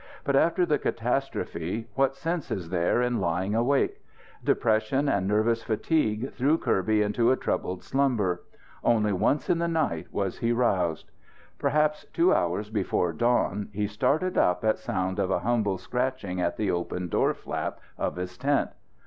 But after the catastrophe what sense is there in lying awake? Depression and nervous fatigue threw Kirby into a troubled slumber. Only once in the night was he roused. Perhaps two hours before dawn he started up at sound of a humble scratching at the open door flap of his tent.